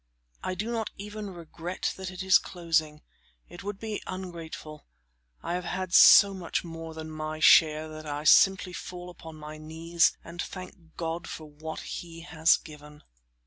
I do not even regret that it is closing; it would be ungrateful; I have had so much more than my share that I simply fall upon my knees and thank God for what He has given.